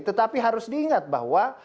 tetapi harus diingat bahwa